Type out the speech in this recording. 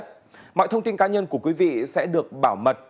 mọi thông tin cá nhân của quý vị sẽ được bảo mật